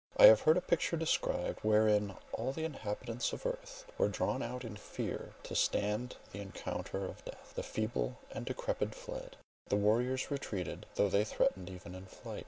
I have heard a picture described, wherein all the inhabitants of earth were drawn out in fear to stand the encounter of Death. The feeble and decrepid fled; the warriors retreated, though they threatened even in flight.